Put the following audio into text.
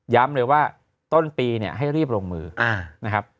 เลยว่าต้นปีเนี่ยให้รีบลงมือนะครับ